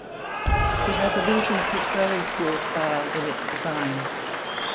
It has allusion to Prairie School style in its design.